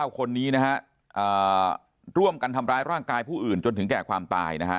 ๙คนนี้นะฮะร่วมกันทำร้ายร่างกายผู้อื่นจนถึงแก่ความตายนะฮะ